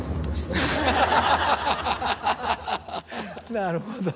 なるほど。